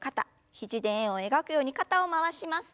肘で円を描くように肩を回します。